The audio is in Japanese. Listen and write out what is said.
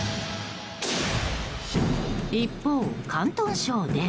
一方、広東省では。